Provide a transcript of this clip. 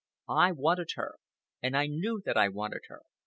I wanted her, and I knew that I wanted her.